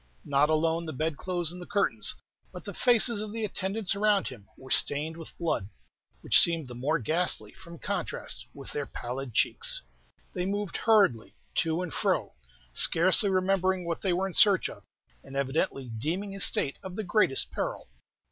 Not alone the bedclothes and the curtains, but the faces of the attendants around him, were stained with blood, which seemed the more ghastly from contrast with their pallid cheeks. They moved hurriedly to and fro, scarcely remembering what they were in search of, and evidently deeming his state of the greatest peril.